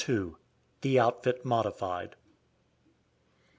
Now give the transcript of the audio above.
THE OUTFIT MODIFIED.